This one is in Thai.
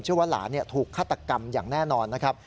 ว่าหลานถูกฆาตกรรมอย่างแน่นอนนะครับ